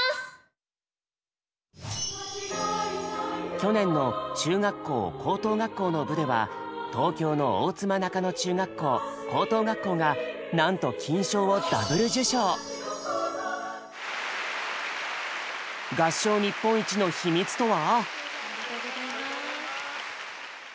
去年の中学校・高等学校の部では東京の大妻中野中学校・高等学校がなんと金賞を合唱日本一の秘密とは？